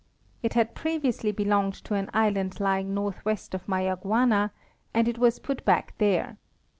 It had previously belonged to an island lying northwest of Maya guana, and it was put back there.